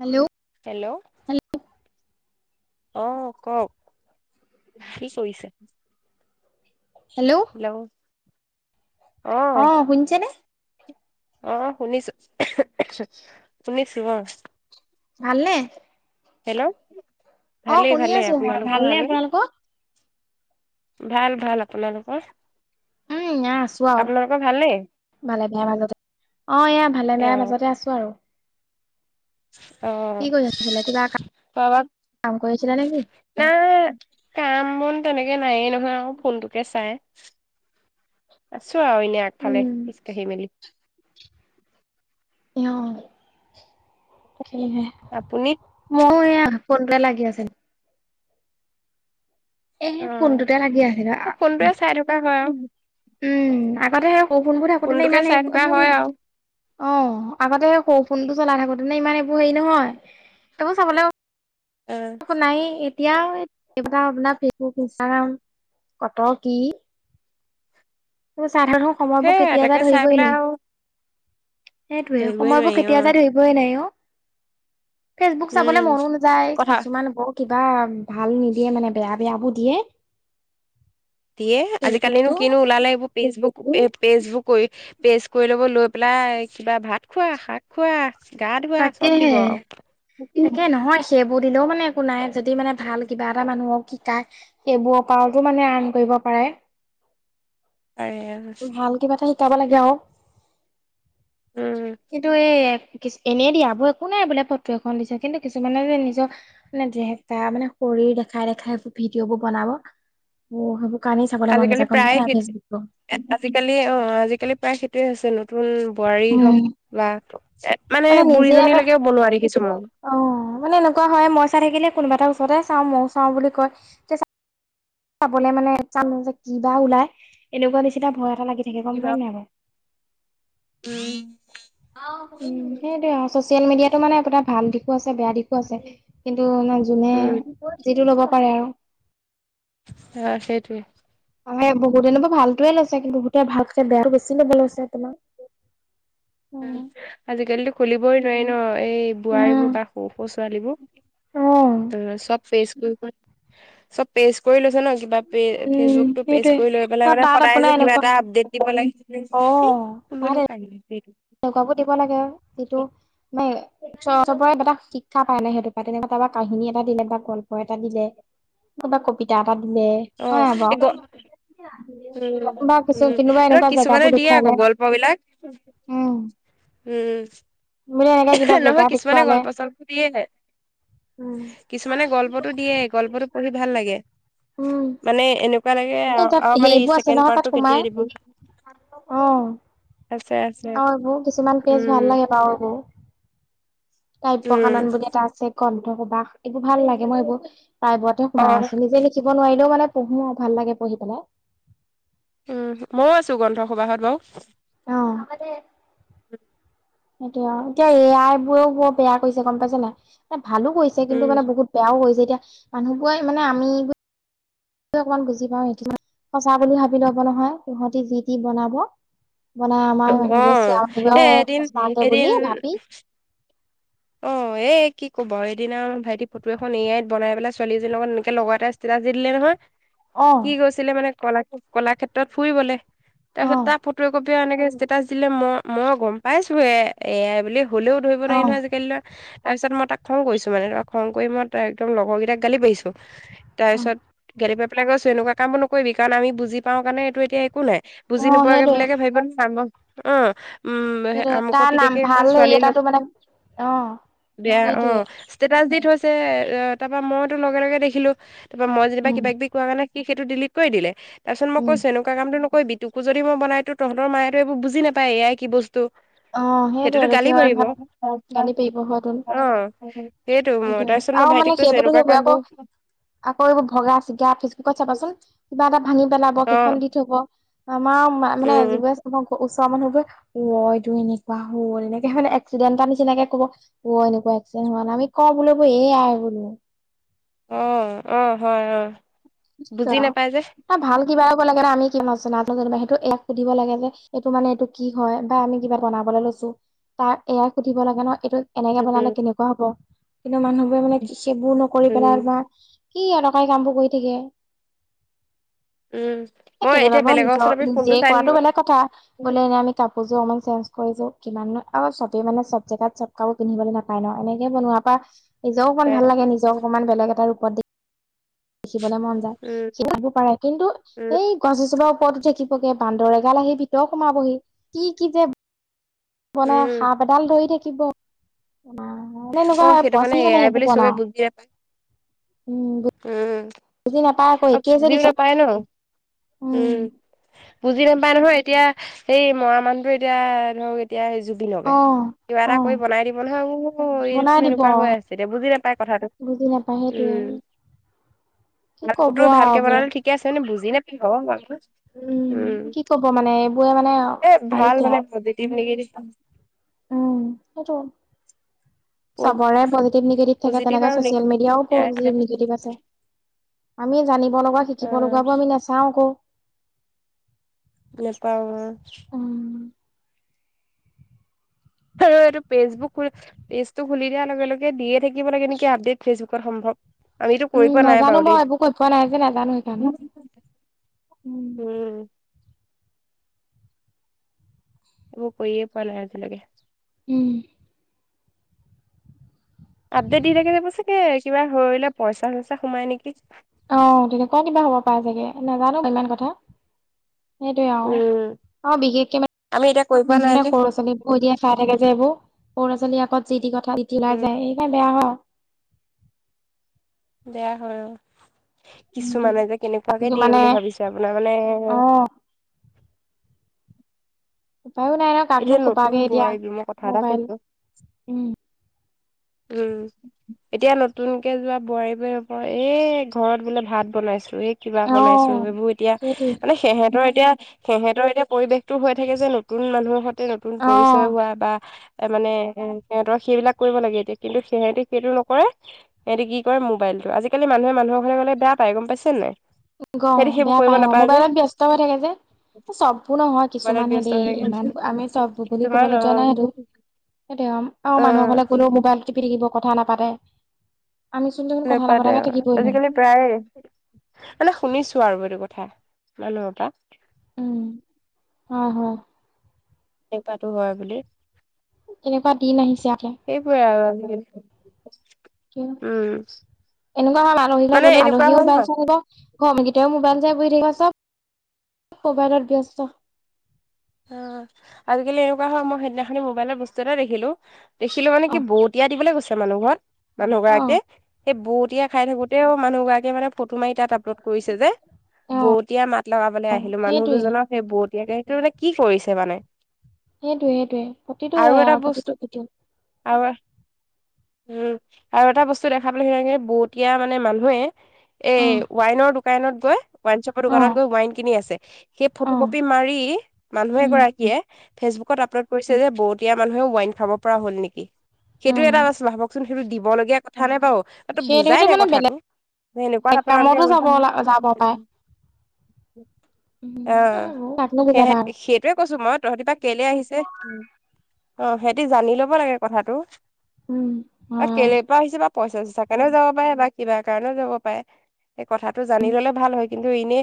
Hello আহ কওক কি কৰিছে? হেল্ল' অ শুনিছেনে? আহ শুনিছো শুনিছো অ ভালনে হেল্ল' অ ভালেই শুনি ভালে আছো মই আপোনালোকৰ ভালনে ভালেই আপোনালোকৰ ভাল ভাল আপোনালোকৰ উম না আছো আও আপোনালোকৰ ভালনে ভালে বেয়া মাজতে অ এয়া ভালে অ বেয়া মাজতে আছো আৰু। অ কি কৰি আছিলে কিবা খোৱা বোৱাক কাম কৰি আছিলে নেকি নে কাম বন তেনেকে কে নায়েই নহয় আৰু ফোনটোকে চাই আচো আও এনেই আগফালে উম খিছকাঢ়ি মেলি অ সেফালেহে আপুনি মই এয়া ফোনতে লাগি আছে নি এ অ ফোনটোতে লাগি আছিল। ফোনটোৱে চাই থকা হয় আৰু উম আগতে সে সৰু ফোন বোৰ থাকোতে নো ফোনটোকে ইমান এ চাই থকা এভোন হয় আৰু অ আগতে সৰু ফোনটো চলাই থাকোতে নে ইমান এইবোৰ হেৰি নহয় তকো চাবলৈ অ একো নাইয়ে এট এতিয়াও এইবিলাক আপোনাৰ ফেচবুক, ইনষ্টাগ্ৰাম ক'ত কি সাধাৰণৰ সময়বোৰ সেইয়া কেতিয়া তাকে যাই চাই ধৰিবই পেলাই নোৱাৰি। আৰু সেইটোয়ে ধৰিবই নোৱাৰি সময়বোৰ অ কেতিয়া যাই ধৰিবই নোৱাৰি অ,। ফেচবুক চাবলৈ উম মনো নাযায় কথা কিছুমান বহুত কিবা ভাল নিদিয়ে মানে বেয়া-বেয়া বোৰ দিয়ে। দিয়ে, ফেচবুকটো আজিকালিনো কিনো ওলালে এইবোৰ পেষ্টবোৰ-পেষ্টবোৰ কৰি পেষ্ট কৰি ল'ব লৈ পেলাই কিবা ভাত খোৱা, শাক খোৱা। গা ধোৱা চব তাকেহে দিব আৰু। তাকে নহয় সেইবোৰ দিলেও মানে একো নাই যদি মানে ভাল কিবা এটা মানুহক শিকাই সেইবোৰৰপাৰতো মানে আম কৰিব পাৰে। [unintelligible] আৰেলছ [unintelligible] যাব লাগে অউ। উম কি এনেই দিয় বৌ একো নাই বোলে ফটো এখন দিছে কিন্তু কিছুমানে যে নিজৰ ড্ৰেছ এটা মানে সৰু দেখাই-দেখাই ভিডিঅ' বোৰ বনাব, সেইবোৰ কাৰণেই চাবলৈ মন আজিকালি নাযায় গম পাইছা প্ৰায়ে নাই ফেচবুকটো খেতি আজিকালি অ', আজিকালি প্ৰায় সেইটোয়ে হৈছে নতুন বোৱাৰী হওক উম বা এ মানে বুঢ়ীজনীলৈকেও বনোৱাৰ দেখিছো মই। অ', মানে এনেকুৱা হয় মই চাই থাকিলে কোনোবা এটা ওচৰতে চাওঁ, ময়ও চাওঁ বুলি কয় তে চাবলে মানে চাম যে কিবা ওলাই এনেকুৱা বেছিটা ভয় এটা লাগে কিবা, উম উম', সেইটোয়ে আউ। চচিয়েল মিডিয়াতো মানে আপোনাৰ ভাল দিশো আছে বেয়া দিশো আছে কিন্ত টো নে যোনে উম যিটো ল'ব পাৰে আৰু। অ', সেইটোৱ। বহুততেনুৱ ভালটোৱে লৈছে কিন্তু বহুতে ভালছে বেয়াটো বেছি লব লৈছে তোমাৰ। উম আজিকালিতো খুলিবই নোৱাৰি ন। এই উম বোৱাৰীবোৰ বা সৰু-সৰু অ', ছোৱালীবোৰ। চব পেষ্ট কৰি-কৰি চব পেষ্ট কৰি লৈছ ন কিবা উম, ফেচবুক পেজ সেইটোৱে কৰি লৈ ন পেলাই মানে তাত সদায় আপোনাৰ যে এনেকুৱা কিবা এটা আপডেট দিব লাগিছিল কি [unintelligible] তেনেকো বোৰ দিব লাগে যিটো মানে চবৰে এটা শিক্ষা পায় নাই সেইটোৰপ তেনেকুৱা তাৰ [unintelligible] কাহিনী এটা দিলে বা গল্প এটা দিলে, কবা কবিতা এ দিলে, হয় আউ বাৰু। বা কিছু উ'-উম', কোনোবা আৰু এনেকুৱা জেগাবোৰ কিছুমানে দিয়ে দেখুৱালে আকৌ গল্প বিলাক। উম, উম', বোলে এনেকে কিবা জেগা নহয় কিছুমানে দেখুৱালে গল্প-চল্প দিয়েহে। উম, কিছুমানে গল্পতটো দিয়ে, গল্পতো পঢ়ি ভাল লাগে। উম, মানে এনেকুৱা লাগে এই তাত আৰু মানে ই হেৰিবোৰ আছে ছেকেণ্ড নহয় পাৰ্টটো তাত কেতিয়া দিব সোমাই। অ'। আছে আছে অ', এইবোৰু কিছুমান পেজ ভাল উম লাগে বাৰু এইবোৰ। উম কাব্যয়কানন বুলি এটা আছে গ্ৰন্থ সবাস এইবোৰ ভাল লাগে মই এইবোৰ প্ৰাইবতে অ সোমাই আছো নিজে লিখিব নোৱাৰিলেও মানে পঢ়ো ভাল লাগে পঢ়ি পেলাই। উম', মইও আছো গ্ৰন্থসবাহত বাৰু। অ'। সেইটোয় আৰু। এতিয়া এ আই বোৰও বৰ বেয়া কৰিছে গম পাইছে নাই? ভালো কৰিছে। কিন্তু উম মানে বহুত বেয়াও কৰিছে। এতিয়া মানুহবোৰে মানে আমি অকমান বুজি পাওঁ সটো সঁচা বুলি ভাবি লব নহয় তহঁতি যি দি বনাব। মানে আমাৰ অ মানুহবোৰে চোৱা [unintelligible] এ এদিন সচাকে বুলি এদিন ভাবি অ', এ কি কব এদিনা ভাইটি ফটো এখন এয়াই বনাই পেলাই ছোৱালীজনীৰ লগত এনেকে লগ এটা ষ্টেটাছ দি দিলে নহয়। অ', কি গৈছিলে মানে [unintelligible] কলা কলাক্ষেত্ৰত ফুৰিবলে, তাৰপিছত অ', তাৰ ফটো [unintelligible] এনেকে ষ্টেটাছ দিলে মই-মই গম পাইছো এ এয়াই বুলি হ'লেও ধৰিব নোৱাৰি নহয় অ', আজি তাৰ পিছত মই তাক খং কৰিছোঁ মানে, ৰহ খং কৰি মই তাক একদম লগৰ কেইটাক গালি পাৰিছোঁ। অ', তাৰপিছত গালি পাইপিলাই গৈছো এনেকুৱা কাম নকৰিবি কাৰণ আমি বুজি পাওঁ কাৰণে এইটো এতি একো নাই বুজি অ', নোপোৱাকে সেইটোৱে বুলাকে ভাবিব [inaudible] অ'। উম', সেইটোৱে আমুকৰ তাৰ নাম পিতেকে ভাল হেৰি ছোৱালীৰ এটাটো মানে লগত অ', বেয়া অ সেইটোৱে ষ্টেটাচ দি থৈছে তাৰপা মইতো লগে লগে দেখিলো। তাৰপ মই যেনিব উম, কিবািব কোৱা কাৰনে সি সেইটো ডিলিট কৰি দিলে, তাৰপাচত মই উম, কৈছো এনেকুৱ কামটো কই টোকো যদি মই বনাই দিওঁ তহঁতৰ মায়েতো এইোৰ বুজি নাপায় এয়াই কি বস্তু অ', ত'সেইটোতো সেইটোৱেটো গালি সিহঁত পাৰিব। ভাব গালি পাৰিব হয় টোন। অ', সেইটো মই সেইটোয় তাৰপিছত মই আৰু মানে ভাইটিক কৈছোঁ সেইবতো এনেকুৱা সেইবোৱে আকৌ কামবোৰ আকৌ এইবোৰ ভগা চিগা ফেচবুকত চাবাচোন কিবা এটা ভানি পেলাব অ', সেইখন দি থব আমাৰ মানে উম, যিবোৰে ওচৰৰ মানুহবোৰে [unintelligible] ত এনেকুৱা হ'ল এনেকে মানে্ এক্সিডেণ্টত নিচিনাকে কব এনেকুৱা এক্সিডেণ্ হোৱা নাই আমি কওঁ বো ক এই এ আই বোলো অ', অ' হয় অ'। বুজি নাপাই যে ব ভাল [unintelligible] কিবাব লাগে ন আমি কি না সেইটো এ আইক সুধিব লাগে যে এইটো মানে এইটো কি হয় বা আমি কিবা বনাব লৈছো তাক এয়াই সুধিব লাগে ন এইটো এনেকে উম, বনালে কেনেকুৱা হ'ব? কিন্তু মানুহবোৰে মানে সেইবোৰ নকৰি উম, পেলাই বা কি এনকুৱা কাম বোৰ কৰি গতিকে উম, মই কেতিয়াবা এতিয়া ব বেলেগৰ নিজৰ ওচৰত আমি ফোনটো নিজে চাই থাকিব কৰাটো বেলেগ কথা বোলে এনে আমি কাপোৰযোৰ অকমান চঞজ কৰিছো কিমান আৰু চবেই মানে চব জেগাত চব কাপোৰ পিন্ধিবলৈ নাপায় ন এনেকে বনোৱাৰ পৰা নিজক অকমান ভাল লাগে নিজক অকমান বেলেগ এটা ৰূপত দ দেখিবলে মন যায় উম, শিকাবও পাৰে। কিন্তু, উম, এই গছ এজোপা কত জেকিবগে বান্দৰ এগাল আহি ভিতৰ সোমাবহি কি কি যে মানে উম, সাপ এডাল ধৰি থাকিব এ এনেকুৱা অ', হয় সেইটো পচি এ মানে আই বুলি এবো চবে বনাই বুজি নাপায় উম উম বুজি নাপায় আকৌ আ একেই যে দিউ দিছে বিলাক পায় ন উম। উম বুজি নাপায় নহয় এতিয়া সেই মৰা মানুহটো এতিয়া ধৰক এতিয়া স জুবিনগে অ কিবা অ এটা কৰি বনাই দিব নহয়। অ এই দেখোন বনাই দিব এনেকুৱা হৈ আছে এতিয়া বুজি নাপায় কথাটো বুজি নাপায় সেইটোৱে উম। কি ক'ব ভালোৰতো আৰু ভালকে এইবোৰ বনালে ঠিকে আছে মানে বুজি নাপায় উম কি ক'ব মানে এইবোৰে মানে এ খাই ভাল দিছে মানে আৰু পজিটিভ নিগেটিভ উম, সেইটো। চবৰে পজিটিভ নিগেটিভ থাকে পজিটিভ তেনেকে আৰু চচিয়েল মিডিয়াও পজিটিভ নিগেটিভ আছে। আমি জানিব লগা অ শিকিব লগাবোৰ আমি নাচাও আকৌ নেপাওঁ। উম আৰু এইটো ফেচবুক পেজটো খুলি দিয়াৰ লগে, লগে দিয়ে থাকিব লাগে নেকি আপডেট ফেচবুকত সম্ভৱ। আমিতো উম কৰি পোৱা নাই নাজানো বাৰু মই দেই এইবোৰ কৰি পোৱা নাই যে নাজানো সেইকাৰণে উম। এইবোৰ কৰিয়ে পোৱা নাই আজি লৈকে। উম। আপডেট দি থাকে যাব চাগে কিবা হৈলে পইচা চইচা সোমাই নেকি? অ' তেনেকুৱা কিবা হ'ব পা চাগে নাজানো ইমান কথা। সেইটোৱে আৰু উম অ বিশেষকে আমি এতিয়া কৰি পোৱা নাই মানে যে এ সৰু ছোৱালীবোৰ এ দিয়ে চাই থাকে যে এইবোৰ সৰু ল'ৰা-ছোৱালীৰ আগত যি ক দি লাই উম যায় সেইকাৰণে বেয়া হয়। বেয়া হয়, অ। আৰু কিছুমানে উম যে কেনেকুৱাকে দিয়ে কিছুমানে বুলি ভাবিছো আপোনাৰ মানে। অ উপ উপায়ো নাই ন কাকনো এতিয়া নতুন কোপাকে এতিয়া বোৱাৰী মই কথা এটা মোবাইল কৈছো উম। উম এতিয়া নতুনকে যোৱা বোৱাৰীবোৰে আক এই ঘৰত বোলে ভাত বনাইছিলো। কিবা অ বনাইছো এইবোৰ এতিয়া সেইটোৱে মানে সিহঁতৰ এতিয়া সিহঁতৰ এতিয়া পৰিৱেশতটো হৈ থাকে যে নতুন মানুহৰ হতে নতুন অ পৰিচয় হোৱা বা এ মানে এ সিহঁতৰ সেইবিলাক কৰিব লাগে এতিয়া। কিন্তু সিহতি সেইটো নকৰে, সিহতি কি কৰে মোবাইলটো। আজিকালি মানুহে মানুহৰ ঘৰলে গ'লে বেয়া পায়। গম পাইছ নে নাই? সিহঁতি সেইবোৰ অহ'বেয়া কৰিব পায় অ। নাপায় যে মোবাইলত ব্যস্ত হৈ থাকে যে। চববোৰ নহয় মোবাইলত কিছুমান হে ব্যস্ত দেই। হৈ ইমান থাকে আমি চববোৰ বুলি কিছুমান কবলৈ অ যোৱা নাই তো। সেইটোৱে আহ অ মানুহৰ ফাললে কলেও মোবাইল টিপি থাকিব, কথা নাপাতে। আমিচোন দেখোন কথা নাপাতে নাপাতাকে আও, থাকিবই নোৱাৰো আজিকালি প্ৰায়ে। মানে শুনিছো আৰু এইটো কথা মানুহপা। উম'হ হ দেউতাটো হয় বুলি। তেনেকুৱা দিন আহিছে আকে। নি [unintelligible] ও এনেকুৱা হল আলহী ঘৰত মানে গলেও এনেকুৱা আলহীও হয় মোবাইল ন চলাব বা আমিকেইটাইও মোবাইল থাকে চব মোবাইলত ব্যস্ত। অ আজিকালি এনেকুৱা হয়, মই সেইদিনাখনি মোবাইলৰ বস্তু এটা দেখিলো দেখিলো মানে অ কি বহুতিয়া দিবলৈ গৈছে। মানুহ ঘৰত মানুহ অ গৰাকীয়ে সেই বৰতীয়া খাই থাকোতেও মানুহ গৰাকীয়ে মানে ফটো মাৰি তাত আপলোড কৰিছে যে। অ বৰতীয়া মাত লগাবলৈ আহিলো, মানুহ সেইটোৱে দুজনক সেই বৰতীয়া কেহীটো মানে [unintelligible] কি কৰিছে মানে? সেইটোৱে, সেইটোৱে। প্ৰতিটো হয় এটা আৰু বস্তু প্ৰতিটো প্ৰতি। আৰু উম আৰু এটা বস্তু দেখা পালোঁ সেনেকে। বৰতীয়া মানে মানুহে এই অ', ৱাইনৰ দো দোকানত গৈ ৱাইন শ্বপৰ দোকানত অ', গৈ ৱাইন কিনি আছে, সেই ফটো অ', কপি মাৰি মানুহ উম, এগৰাকীয়ে ফেচবুকত আপলোড কৰিছে যে বৰতিয়া মানুহে ৱাইন খাব পৰা হল নেকি? সেইটো এটা অ', বাছ ভাবকচোন। সেইটো দিব লগীয়া কথা নে বাও। অ তই বুজাই সেইটোৱেটো দে মানে কথাটো। বেলেগ যে এনেকুৱা [unintelligible] উ কাক নো সেহে বুজাবা? আৰু সেইটোৱে কৈছো মই তহঁতিপা কেলে আহিছে? উ অ সিহতি জানি লব লাগে কথাটো। উম বা হয়। কেলে পৰা আহিছে বা পইচা চইচা কাৰণেও যাব পাৰে বা কিবা কাৰণেও যাব পাৰে। এই কথাটো জানি ললে ভাল হয়, কিন্তু এনে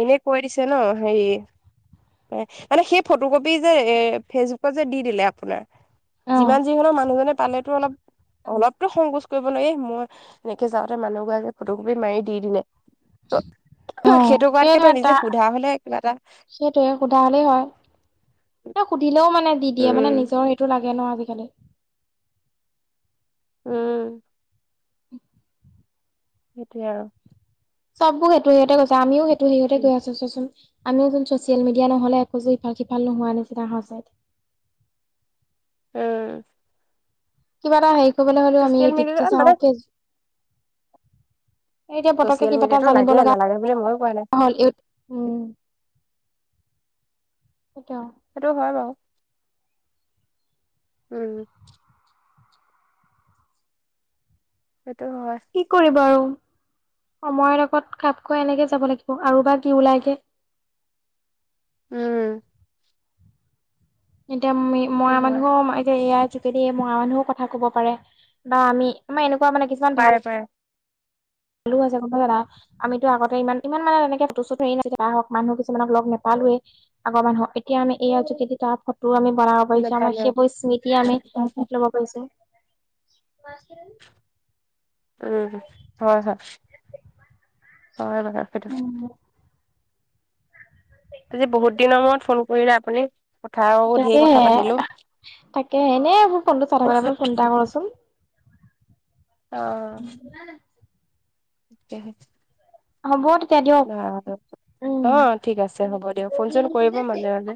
এনে কৈ দিছে ন হেৰি মানে সেই ফটো কপি যে এ ফেচবুকত যে দি দিলে আপোনাৰ যিমান অ', যি হলেওঁ মানুহজনে পালেতো অলপ অলপটো সংকোচ কৰিব লাগে। মই এনেকে যাওঁতে মানুহগৰাকীয়ে ফটো কপি মাৰি দি দিলে। ত অ', সেইটো কৰাতকে সেইটোৱে তই তা নিজে সোধা হলে কিবা এটা সেইটোৱে সোধা হলেই হয়। ন সুধিলেও মানে দি দিয়ে মানে উম নিজৰ সেইটো লাগ কিয়নো আজি-কালি উম। সেইটোৱে আৰু। চববোৰ সেইটো সেহঁতে গৈছে। আমিও সেইটো হেৰিয়তে গৈ আছো চোৱাচোন। আমিও যোন চচিয়েল মিডিয়া নহলে এখোজো ইফাল সিফাল নোহোৱা নিচিনা হৈছে। উম। কিবা এটা হেৰি কৰিবলে হ'লেও আমি ছচিয়েল মিডিয়াটো ইউটিউবটো মানে চাওঁ, ফেচ এ এতিয়া পতককে ছচিয়েল কিবা এটা মিডিয়াটো জানিব লাগে লগা নালাগে বুলি মই কোৱা নাই হ'ল ইউ, উম। সেইটোৱে সেইটো হয় বাও। উম। সেইটো হয় কি কৰিবা আৰু? সময়ৰ লগত খাপ খোৱা এনেকে যাব লাগিব। আৰু বা কি ওলাইগে? [inaudible] উম। এতিয়া মি সেইটো মৰা হয় মানুহো ইয়াত যোগেদি মৰা মানুহো কথা ক'ব পাৰে বা আমি আমাৰ এনেকোৱা মানে কিছুমান ভাল পাৰে পাৰে ভালো আছে [unintelligible] আমিতো আগতে ইমান, ইমান মানে তেনেকে ফটো-চতো হেৰি না হওঁক মানুহ কিছুমানক লগ নাপাল আগৰ মানুহক। এতিয়া আমি এইয়া যুগিতি তাৰ আমি বনাব পাৰিছো আমাৰ নেপালে সেইবোৰ স্মৃতি আমি উম লব পাৰিছো। উম', হয়'-হয়'। হয়', মানে সেইটো উম আজি বহুত দিনৰ মূৰত ফোন কৰিলে আপুনি। কথাও ঢেৰ কথা তাকেহে, পাতিলো তাকে এনে মোৰ ফোনটো চাই থকাৰ বাবে ফোন এটা কৰোচোন। অ'। তেনেকে হব তে দিয়ক অ উম'। ঠিক আছে হ'ব দিয়ক ফোন চোন কৰিব মাজে [unintelligible] মাজে